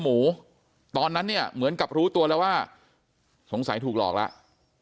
หมูตอนนั้นเนี่ยเหมือนกับรู้ตัวแล้วว่าสงสัยถูกหลอกแล้ว